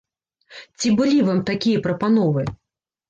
Ці былі вам такія прапановы?